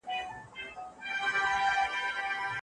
د غره په لمنه کې ژوند د هر چا لپاره یو ډول نه و.